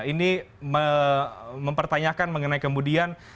ini mempertanyakan mengenai kemudian